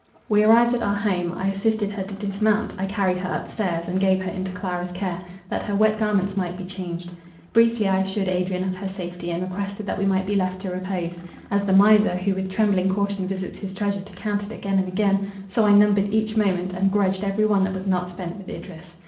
We arrived at our home. I assisted her to dismount, I carried her up stairs, and gave her into Clara's care, that her wet garments might be changed. Briefly I assured Adrian of her safety, and requested that we might be left to repose. As the miser, who with trembling caution visits his treasure to count it again and again, so I numbered each moment, and grudged every one that was not spent with Idris.